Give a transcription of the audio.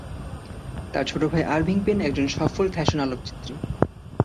তার ছোট ভাই আরভিং পেন একজন সফল ফ্যাশন আলোকচিত্রী।